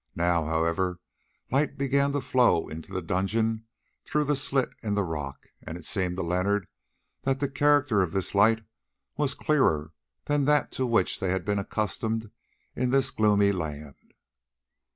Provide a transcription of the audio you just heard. Now, however, light began to flow into the dungeon through the slit in the rock, and it seemed to Leonard that the character of this light was clearer than that to which they had been accustomed in this gloomy land.